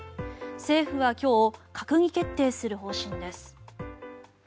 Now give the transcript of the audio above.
政府は今日閣議決定する方針です。